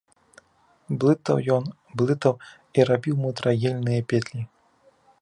Блытаў ён, блытаў і рабіў мудрагельныя петлі.